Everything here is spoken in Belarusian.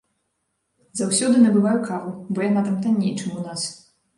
Заўсёды набываю каву, бо яна там танней, чым у нас.